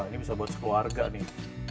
ini bisa buat sekeluarga nih